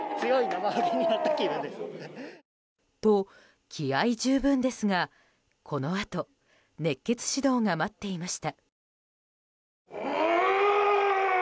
と、気合十分ですがこのあと熱血指導が待っていました。